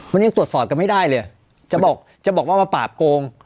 มันยังตรวจสอบกันไม่ได้เลยจะบอกจะบอกว่ามาปราบโกง